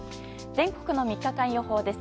全国の３日間予報です。